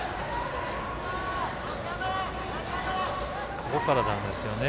ここからなんですよね。